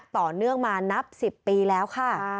ต่อเนื่องมานับ๑๐ปีแล้วค่ะ